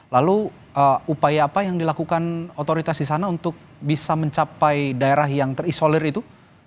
lalu upaya apa yang dilakukan otoritas di sana untuk bisa mencapai daerah yang terisolir itu